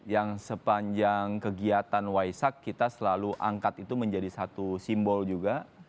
yang sepanjang kegiatan waisak kita selalu angkat itu menjadi satu simbol juga